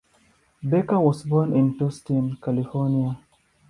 Baker was born in Tustin, California.